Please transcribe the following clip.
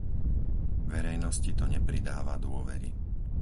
Verejnosti to nepridáva dôvery.